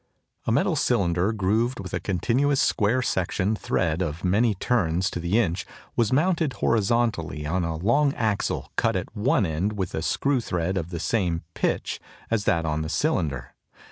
A metal cylinder grooved with a continuous square section thread of many turns to the inch was mounted horizontally on a long axle cut at one end with a screw thread of the same "pitch" as that on the cylinder.